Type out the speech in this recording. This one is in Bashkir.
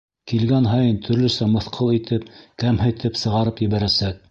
Килгән һайын төрлөсә мыҫҡыл итеп, кәмһетеп сығарып ебәрәсәк.